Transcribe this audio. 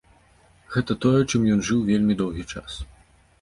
Гэта тое, чым ён жыў вельмі доўгі час.